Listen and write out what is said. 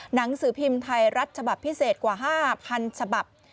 หนังสือพิมพ์ไทยรัฐฉบับพิเศษกว่า๕๐๐๐ฉบับ